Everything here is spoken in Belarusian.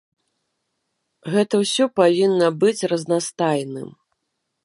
Гэта ўсё павінна быць разнастайным.